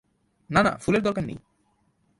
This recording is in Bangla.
না না, ফুলের দরকার নেই।